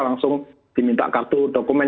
langsung diminta kartu dokumen